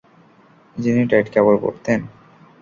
যিনি টাইট কাপড় পরতেন?